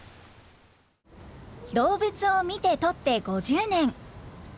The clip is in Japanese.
動物を見て撮って５０年。